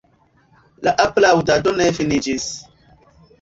La aplaŭdado ne finiĝis.